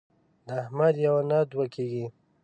د احمد یوه نه دوې کېږي.